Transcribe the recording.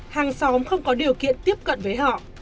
hàng xóm không có điều kiện tiếp cận với họ